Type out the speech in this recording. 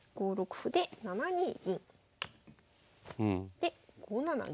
で５七銀。